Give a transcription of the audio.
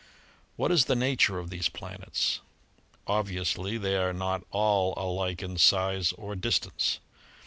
What is the nature of these planets? Obviously they are not all alike in size or distance.